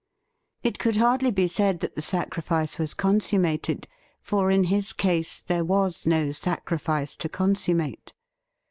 It could hardly be said that the sacrifice was consum mated, for in his case there was no sacrifice to consummate.